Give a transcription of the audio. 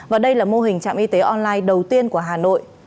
và đây là mô hình trạm y tế online đầu tiên của hà nội